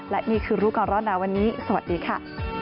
และนี่คือรู้ก่อนร้อนหนาวันนี้สวัสดีค่ะ